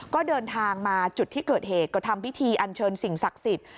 ก็เดินทางมาจุดที่เกิดเหตุก็ทำพิธีอันเชิญสิ่งศักดิ์สิทธิ์